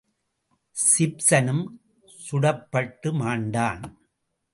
சிப்சனும் சுடப்பட்டு மாண்டான்!